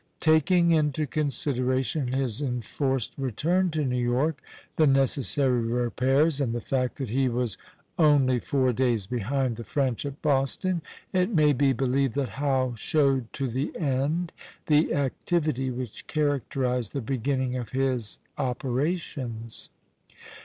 Taking into consideration his enforced return to New York, the necessary repairs, and the fact that he was only four days behind the French at Boston, it may be believed that Howe showed to the end the activity which characterized the beginning of his operations.